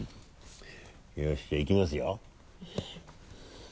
よしじゃあいきますよ。